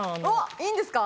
いいんですか？